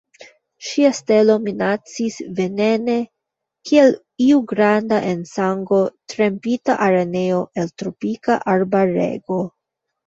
Ŝia stelo minacis venene kiel iu granda en sango trempita araneo el tropika arbarego.